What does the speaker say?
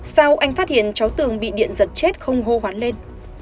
sao anh phát hiện cháu tưởng bị điện giật chết không hô hoán lên